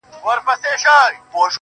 دا ستا د حسن د اختر پر تندي~